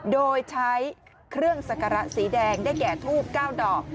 โดยใช้เครื่องสักการะสีแดงได้แก่ทูบ๙ดอก